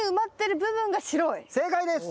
正解です！